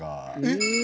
えっ！